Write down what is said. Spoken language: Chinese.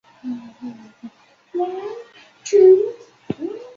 他曾获政府委任为市区重建局非执行董事及消费者委员会增选委员。